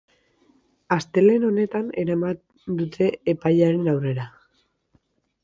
Astelehen honetan eraman dute epailearen aurrera.